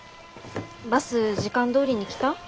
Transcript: バス時間どおりに来た？